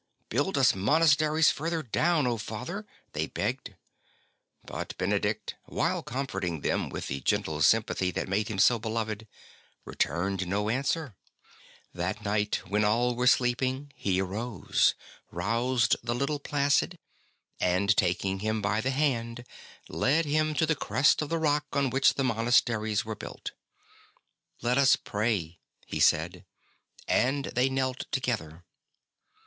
'' Build us monasteries further down, O Father," they begged; but Benedict, while comforting them with the gentle sympathy that made him so beloved, returned no answer. That night, when all were sleeping, he arose, roused the little Placid, and, taking him by the hand, led him to the crest of the rock on which the monasteries were built. '' Let us pray," he said, and they knelt together.